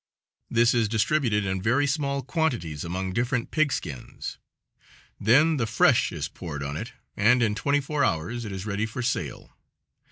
This is distributed in very small quantities among different pigskins; then the fresh is poured on it, and in twenty four hours it is ready for sale.